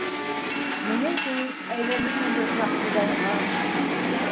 Минең кеүек, Әйләнермен бер саҡ туҙанға.